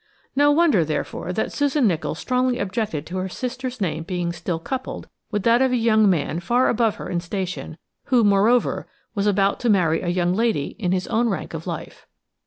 No wonder, therefore, that Susan Nicholls strongly objected to her sister's name being still coupled with that of a young man far above her in station, who, moreover, was about to marry a young lady in his own rank of life.